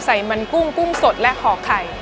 ใส่มันกุ้งกุ้งสดและห่อไข่